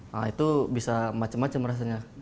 nah itu bisa macam macam rasanya